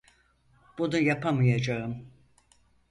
Bunu yapamayacağım.